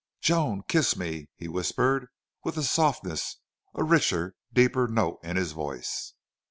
"Joan, kiss me," he whispered, with a softness, a richer, deeper note in his voice.